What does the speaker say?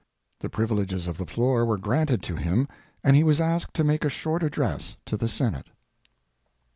The privileges of the floor were granted to him and he was asked to make a short address to the Senate.